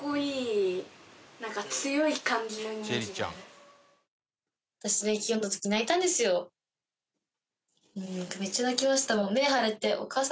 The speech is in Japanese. めっちゃ泣きましたもん。